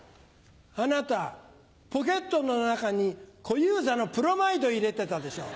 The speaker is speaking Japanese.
あなたポケットの中に小遊三のブロマイド入れてたでしょ。